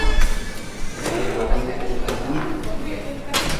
Ndɔ diŋ bɔɔ biŋni.